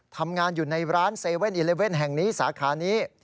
ทำงานอยู่ในร้าน๗๑๑แห่งนี้สาขานี้